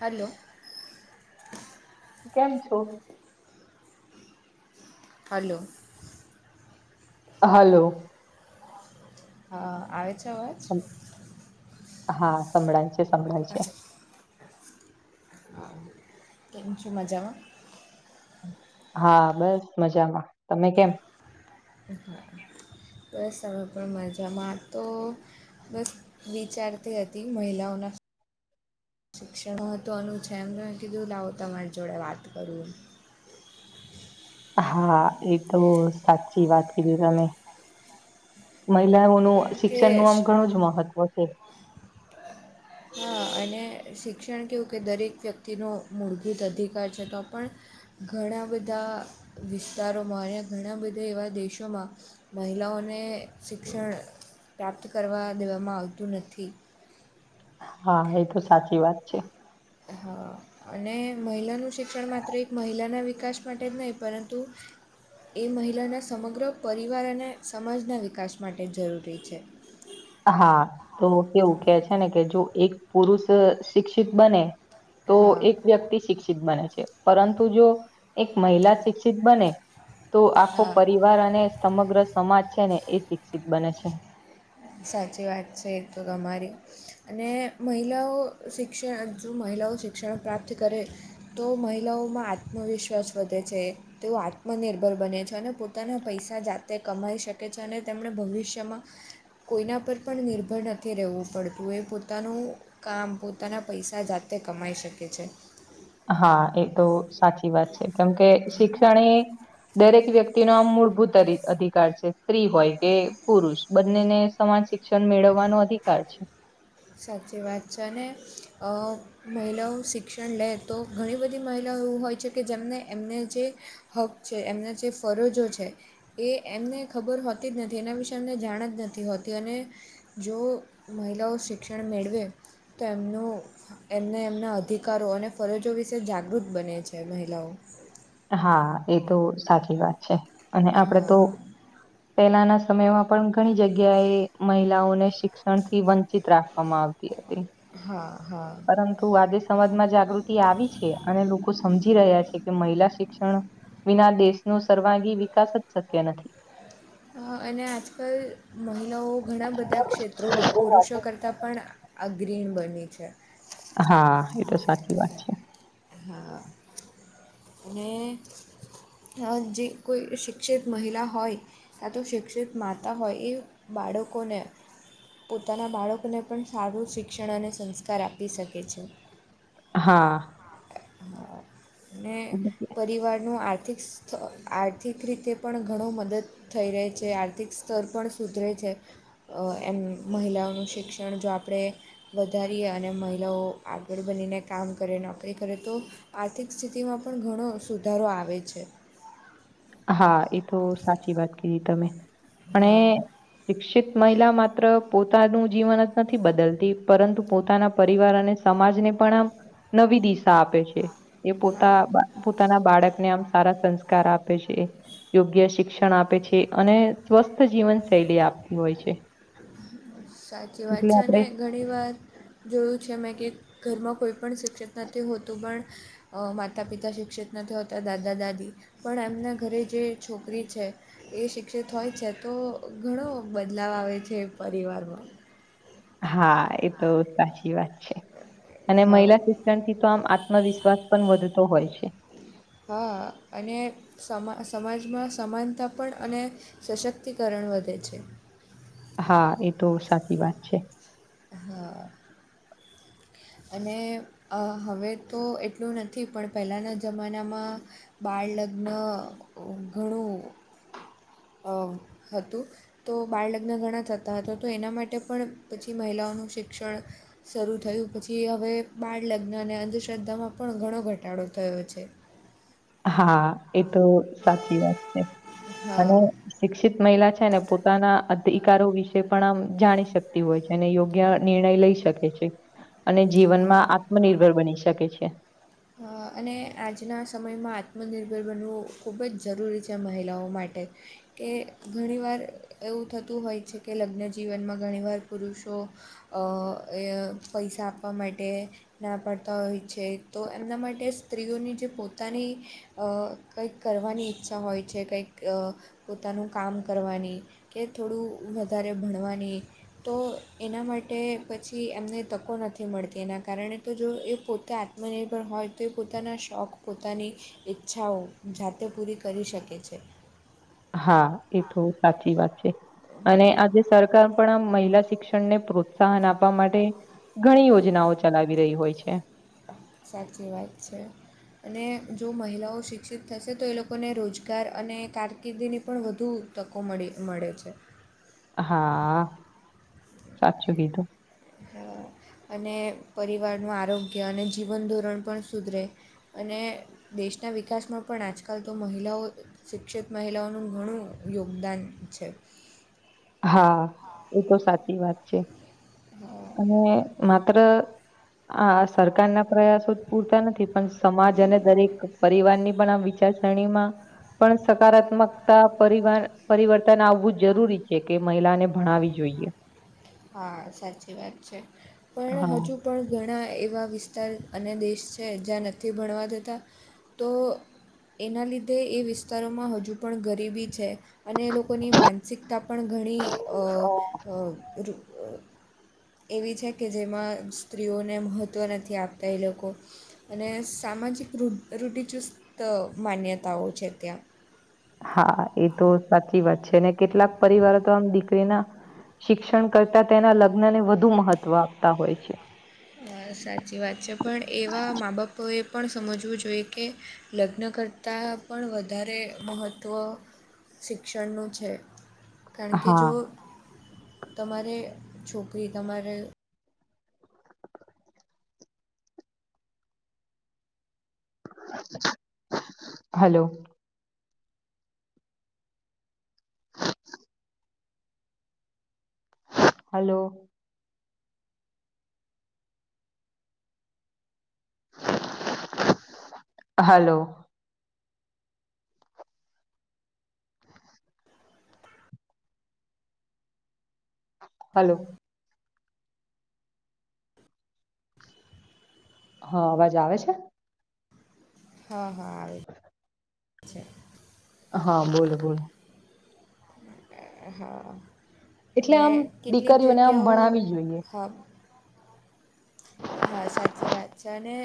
Hello કેમ છો hello hello હા આવે છે અવાજ હા સંભળાય છે સંભળાય હા છે કેમ છો મજામાં હા બસ મજામાં તમે કેમ હા બસ અમે પણ મજામાં તો બસ વિચારતી હતી મહિલાઓના શિક્ષણ મહત્ત્વનું છે એમને મેં કીધું લાવું તમારી જોડે વાત કરું હા એ તો સાચી વાત કીધી તમે કેમ મહિલાઓનું કે શિક્ષણ નું આમ શ- ઘણું જ મહત્વ છે. હા અને શિક્ષણ કેવું કે દરેક વ્યક્તિનો મૂળભૂત અધિકાર છે તો પણ. ઘણા બધા વિસ્તારોમાં અને ઘણા બધા એવા દેશોમાં. મહિલાઓને શિક્ષણ પ્રાપ્ત કરવા દેવામાં આવતું નથી. હા એ તો સાચી વાત છે. હા અને મહિલાનું શિક્ષણ માત્ર એક મહિલાના વિકાસ માટે જ નહીં પરંતુ એ મહિલાના સમગ્ર પરિવાર અને સમાજના વિકાસ માટે જરૂરી છે હા તો કેવું કે છે ને કે જો એક પુરુષ શિક્ષિત બને તો હા એક વ્યક્તિ શિક્ષિત બને છે પરંતુ જો એક મહિલા શિક્ષિત બને તો આખો હા પરિવાર અને સમગ્ર સમાજ છે ને એ શિક્ષિત બને છે. સાચી વાત છે એ તો તમારી અને મહિલાઓ શિક્ષણ જો મહિલાઓ શિક્ષણ પ્રાપ્ત કરે તો મહિલાઓમાં આત્મવિશ્વાસ વધે છે. તેઓ આત્મનિર્ભર બને છે અને પોતાના પૈસા જાતે કમાઈ શકે છે અને તેમણે ભવિષ્યમાં. કોઈના પર પણ નિર્ભર નથી રહેવું પડતું એ પોતાનું. કામ પોતાના પૈસા જાતે કમાઈ શકે છે હા એ તો સાચી વાત છે કેમકે શિક્ષણએ દરેક વ્યક્તિ નો આમ મૂળભૂત અધિકાર છે. સ્ત્રી હોય કે પુરુષ બંનેને સમાન શિક્ષણ મેળવવાનો અધિકાર છે સાચી વાત છે અને મહિલાઓ શિક્ષણ લે તો ઘણી બધી મહિલાઓ એવું હોય છે કે જેમને એમને જે હક છે એમના જે ફરજો છે. એ એમને ખબર હોતી જ નથી એના વિશે અમને જાણ જ નથી હોતી અને જો મહિલાઓ શિક્ષણ મેળવે તો એમનો એમને એમના અધિકારો અને ફરજો વિશે જાગૃત બને છે મહિલાઓ હા એ તો સાચી વાત છે અને આપડે હા તો. પહેલાના સમયમાં પણ ઘણી જગ્યાએ મહિલાઓને શી. શિક્ષણ થી વંચિત રાખવામાં આવતી હતી હા હા પરંતુ આજે. સમાજમાં જાગૃતિ આવી છે અને લોકો સમજી રહ્યા છે કે મહિલા. શિક્ષણ વિના દેશ ન સર્વાંગી વિકાસ જ શક્ય નથી. અને આજકાલ. મહિલાઓ ઘણા બધા ક્ષેત્રોમાં એ વાત પુરુષો કરતાં પણ અગ્રણ બની છે. હા એ તો સાચી વાત છે હા અને જે કોઈ શિક્ષિત મહિલા હોય. ક્યાં તો શિક્ષિત માતા હોય એ બાળકોને પોતાના બાળકોને પણ સારું શિક્ષણ અને સંસ્કાર આપી શકે છે. હા અને પરિવારનું આર્થિક આર્થિક રીતે પણ ઘણું મદદ થઈ રહે છે આર્થિક સ્તર પણ સુધરે છે એમ મહિલાઓનું શિક્ષણ જો આપણે વધારીએ અને મહિલાઓ આગળ બનીને કામ કરે નોકરી કરે તો આર્થિક સ્થિતિમાં પણ ઘણો સુધારો આવે છે હા એ તો સાચી વાત કધી તમે હા પણ શિક્ષિત મહિલા માત્ર પોતાનું જીવન જ નથી બદલતી પરંતુ પોતાના પરિવાર અને. સમાજ ને પણ આમ નવી દિશા. આપે છે એ હા પોતા પોતાના બાળકને આમ સારા સંસ્કાર આપે. આપ છે યોગ્ય શિક્ષણ આપે છે અને સ્વસ્થ જીવન શૈલી આપતી હોય છે. સાચી વાત એટલે છે અને આપડે ઘણી ઘણી વાત જોયું છે મેં કે ઘરમાં કોઈ પણ શિક્ષિત નથી હોતું પણ અ માતા પિતા શિક્ષિત નથી હોતા દાદા દાદી પણ એમના ઘરે જે છોકરી છે એ શિક્ષિત હોય છે તો ઘણો બદલાવ આવે છે પરિવારમાં હા એ તો સાચી વાત છે અને હા મહિલા શિક્ષણ થી તો આમ આત્મવિશ્વાસ પણ વધતો હોય છે હા અને સમા સમાજમાં સમાનતા પણ અને સશક્તિકરણ વધે છે હા એ તો સાચી વાત છે હા અને હવે તો એટલું નથી પણ પહેલાંના જમાનામાં બાળ લગ્ન ઘણું અ હતું તો બાળલગ્ન ઘણા થતા હતા તો એના માટે પણ પછી મહિલાઓનું શિક્ષણ શરૂ થયું પછી હવે બાળલગ્ન અને અંધશ્રદ્ધામાં પણ ઘણો ઘટાડો થયો છે હા એ તો સાચી વાત છે હા અને શિક્ષિત મહિલા છે ને પોતાના અધિકારો વિશે પણ આમ જાણી શકતી હોય છે એને યોગ્ય નિર્ણય લઈ શકે છે અને જીવનમાં હા આત્મનિર્ભર બની શકે છે અને આજના સમયમાં આત્મનિર્ભર બનવું ખૂબ જ જરૂરી છે મહિલાઓ માટે કે ઘણીવાર એવું થતું હોય છે કે લગ્નજીવનમાં ઘણીવાર પુરુષો પૈસા આપવા માટે ના પાડતા હોય છે તો એમના માટે સ્ત્રીઓની જે પોતાની કંઈક કરવાની ઈચ્છા હોય છે કંઈક પોતાનું કામ કરવાની કે થોડું વધારે ભણવાની તો એના માટે પછી એમને તકો નથી મળતી એના કારણે તો જો એ પોતે મને પણ હોય તો એ પોતાના શોખ પોતાની ઈચ્છાઓ જાતે પૂરી કરી શકે છે હા એ તો સાચી વાત છે અને હં, આજે સર સરકાર પણ આ મહિલા શિક્ષણ ને પ્રોત્સાહન આપવા માટે ઘણી યોજનાઓ ચલાવી રહી હોય છે સચી વાત છે અને જો મહિલાઓ શિક્ષિત થશે તો એ લોકોને રોજગાર અને કારકિર્દીની પણ વધુ તકો મળી મળે છે હા સાચું કીધું હા, અને પરિવારનું આરોગ્ય અને જીવન ધોરણ પણ સુધરે અને દેશના વિકાસમાં પણ આજકાલ તો મહિલાઓ શિક્ષિત મહિલાઓનું ઘણું યોગદાન છે હા એ તો સાચી વાત છે હા અને માત્ર હ સરકાર ના પ્રયાસો જ પૂરતા નથી પણ સમાજ અને દરેક પરિવાર ની પણ આ વિચ શણીમાં પણ સકારાત્મકતા પરિવર્તન આવવું જરૂરી છે કે કે મહિલાને ભણાવી જોઈએ હા સાચી વાત છે પણ હા. હજુ પણ ઘણા એવા વિસ્તાર અને દેશ છે જ્યાં નથી ભણવા દતા તો એના લીધે એ વિસ્તારોમાં હજુ પણ ગરીબી છે અને એ લોકોની માનસિકતા પણ ઘણી અ અ એવી છે કે જેમાં સ્ત્રીઓને મહત્ત્વ નથી આપતા એ લોકો અને સામાજિક ર રૂઢિચુસ્ત માન્યતાઓ છે ત્યાં હા એ તો સાચી વાત છે અને કેટલાક પરિવારો તો આમ દીકરીના શિક્ષણ કરતા તેના લગ્ન ને વધુ મહત્વ આપતા હોય છે સાચી વાત છે પણ એવા મા બાપોએ પણ સમજવું જોઈએ કે લગ્ન કર તાં પણ વધારે મહત્ત્વ શિક્ષણનું છે કારણ કે હા જો તમારે છોકરી તમારે હલો હલો હલો હલો હ અવાજ આવે છે હ હ આવે છે હ બોલો બોલો એ હ એટલે અને આમ કેટલીક દીકરીઓને આમ જગ્યાઓ ભણાવી જોઈએ હા હા સાચી વાત છે અને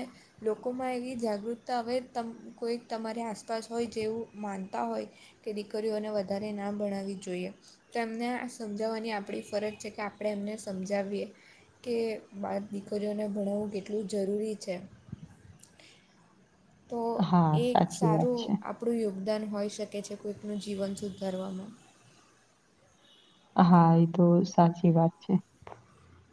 લોકોમાં એવી જાગૃતા હવે તમ કોઈક તમારી આસપાસ હોય જેવું માનતા હોય તે દીકરીઓને વધારે ના ભણાવી જોઈએ તો એમને આ સમજાવાની આપણી ફરજ છે કે આપણે એમને સમજાવીએ કે બાર દીકરીઓને ભણાવું કેટલું જરૂરી છે તો હા, એ એક સાચી વાત સારું છે. આપણું યોગદાન હોઈ શકે છે કોઈકનું જીવન સુધારવામાં હા એ તો સાચી વાત છે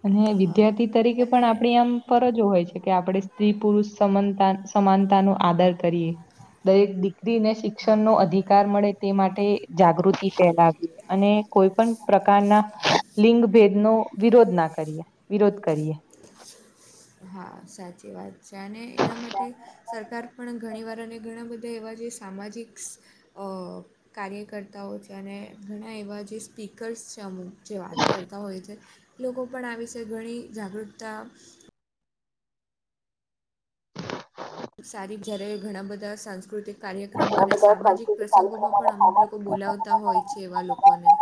અને હા વિદ્યાર્થી તરીકે અને પણ આપણી આમ ફરજો હોય છે કે આપડે સ્ત્રી પુરુષ સમનતા સમાનતા નો આદર કરીયે દરેક દીકરીને શિક્ષણ નો હા અધિકાર મળે તે માટે જાગૃતિ ફેલાવી અને કોઈ પણ પ્રકારના લિંગ ભેદ નો વિરોધના કરીએ, વિરોધ કરીએ. હા, સાચી વાત છે, અને એના માટે સરકાર પણ ઘણીવાર અને ઘણા બધા એવા જે સામાજિકસ અ કાર્યકર્તાઓ છે, અને ઘણા એવા જે સ્પીકર્સ છે, અમુક જો આ કરતા હોય છે. લોકો પણ આ વિશે ઘણી જાગૃતતા. [unintelligible] સારી જ્યારે ઘણા બધા સાંસ્કૃતિક. કાર્યક્રમો આ અને બધા સામાજિક સાંસ્કૃતિક પ્રસંગોમાં કાર્યક્રમોને પણ અમુક સામાજિક લોકો બોલાવતા હોય છે, એવા લોકોને.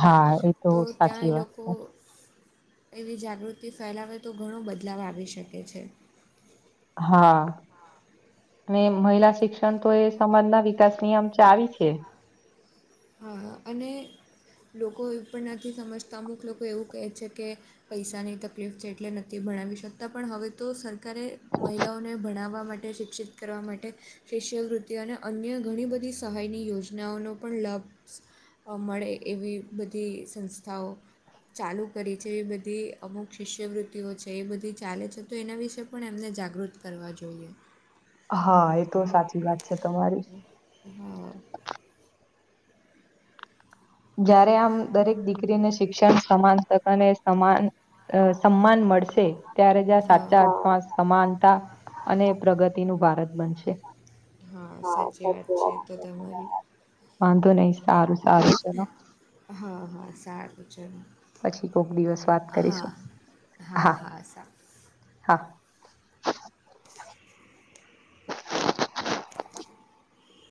હા, એ તો ત્યાં સાચી એ વાત લોકો છે. એવી જાગૃતિ ફેલાવે, તો ઘણો બદલાવ આવી શકે છે. હા. ને મહિલા શિક્ષણ તો, એ સમાજના વિકાસની આમ ચાવી છે. હા, અને લોકો એવું પણ નથી સમજતા, અમુક લોકો એવું કહે છે કે. પૈસાની તકલીફ છે, એટલે નથી ભણાવી શકતા, પણ હવે તો સ કારે મહિલાઓને ભણાવવા માટે શિક્ષિત. કરવા માટે, શિષ્ય વૃતિ અને અન્ય ઘણી બધી સહાય. એની યોજનાઓનો પણ લાભ સ અ મળે, એવી બધી સંસ્થાઓ ચાલુ કરી છે, એ બધી અમુક શિષ્યવૃત્તિઓ છે, એ બધી ચાલે છે, તો એના વિશે પણ એમને જાગૃત કરવા જોઈએ. હ, એતો સાચી વાત છે તમારી. હા. જયારે આમ દરેક દીક દીકરીને શિક્ષણ સમાન તક અને સમાન અ સમાન મળશે. ત્યારે જ આ હા સાચા અ સમાન સમાનતા અને પ્રગતિનું ભારત બનશે. હ, સાચી વાત છે, વાંધો નહીં, સારું, સારું. હ, ચલો હં, સારુ ચલો. પછી કોક દિવસ વાત હા, કરીશું હા, હા, સારું. હા.